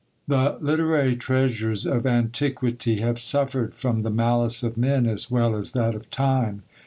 The literary treasures of antiquity have suffered from the malice of Men as well as that of Time.